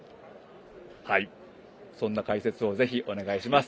そんな解説をぜひ、お願いします。